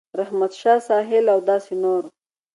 رحمت شاه ساحل او داسې نور